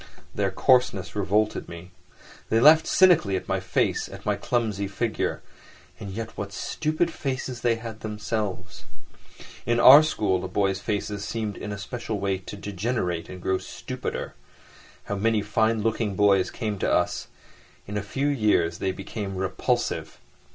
Their coarseness revolted me. They laughed cynically at my face, at my clumsy figure; and yet what stupid faces they had themselves. In our school the boys' faces seemed in a special way to degenerate and grow stupider. How many fine looking boys came to us! In a few years they became repulsive.